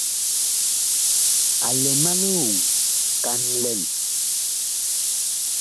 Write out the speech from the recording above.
A lɛ ma lioŋ kan lɛn.